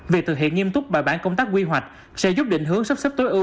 việc thực hiện nghiêm túc bài bản công tác quy hoạch sẽ giúp định hướng sắp xếp tối ưu